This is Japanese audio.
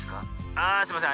ああすいません。